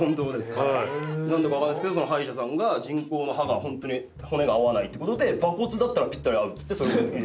何だか分かんないですけどその歯医者さんが人工の歯がホントに骨が合わないってことで馬骨だったらぴったり合うっつってそれを。